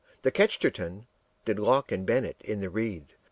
The kchesterton Did locke and bennett in the reed.